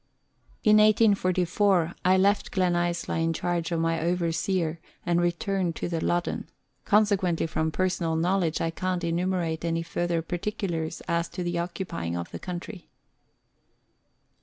In 1844 I left Gleuisla in charge of my overseer and returned to the Loddou ; consequently from personal knowledge I can't enumerate any further particulars as to the occupying of the country.